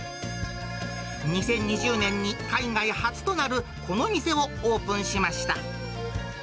２０２０年に海外初となる、この店をオープンしました。